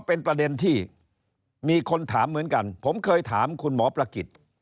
เป็นประเด็นที่มีคนถามเหมือนกันผมเคยถามคุณหมอประกิจ